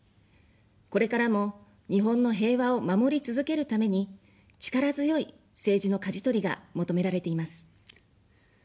これからも日本の平和を守り続けるために、力強い政治のかじ取りが求められています。